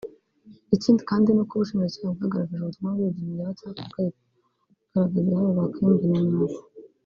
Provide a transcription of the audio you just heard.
Ikindi kandi ni uko ubushinjacyaha bwagaragaje ubutumwa bw’ibiganiro bya WhatsApp na Skype bigaragaza uruhare rwa Kayumba Nyamwasa